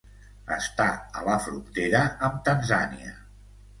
Està a la frontera amb Tanzània.